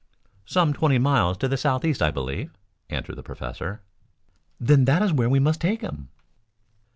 "Some twenty miles to the southeast, I believe," answered the professor. "Then that is where we must take him."